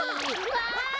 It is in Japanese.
わい！